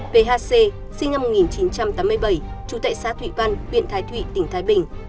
phc sinh năm một nghìn chín trăm tám mươi bảy trú tại xã thụy văn huyện thái thụy tỉnh thái bình